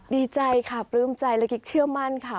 ดีใจค่ะปลื้มใจและกิ๊กเชื่อมั่นค่ะ